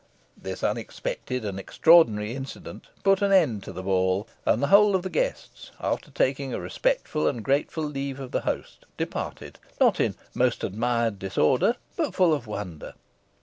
This unexpected and extraordinary incident put an end to the ball, and the whole of the guests, after taking a respectful and grateful leave of the host, departed not in "most admired" disorder, but full of wonder.